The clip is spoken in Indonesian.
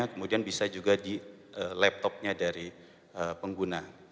kemudian bisa juga di laptopnya dari pengguna